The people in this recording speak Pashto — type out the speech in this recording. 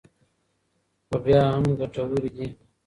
خو بیا هم ګټورې دي.